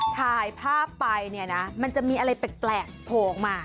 ถ่ายภาพไปมันจะมีอะไรแปลกโผล่ออกมา